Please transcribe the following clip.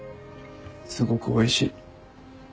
すごくおいしい。